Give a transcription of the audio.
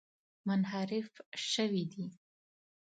منحرف شوي دي.